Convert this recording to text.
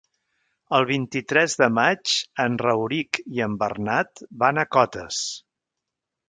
El vint-i-tres de maig en Rauric i en Bernat van a Cotes.